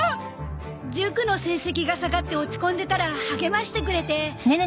塾の成績が下がって落ち込んでたら励ましてくれて。